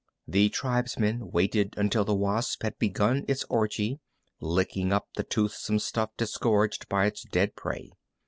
The tribesmen waited until the wasp had begun its orgy, licking up the toothsome stuff disgorged by its dead prey.